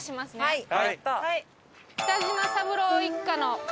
はい。